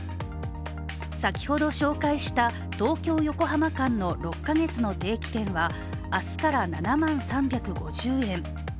先ほど紹介した東京ー横浜間の６か月の定期券は明日から７万３５０円。